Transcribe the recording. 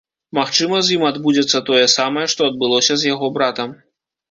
Магчыма, з ім адбудзецца тое самае, што адбылося з яго братам.